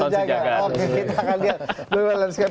dan masih ada keraton sejagat